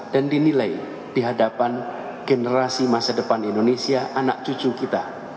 dan dinilai di hadapan generasi masa depan indonesia anak cucu kita